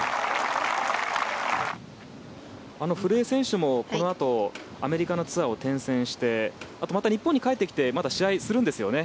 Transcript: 古江選手もこのあとアメリカのツアーを転戦してあとまた日本に帰ってきてまだ試合をするんですよね？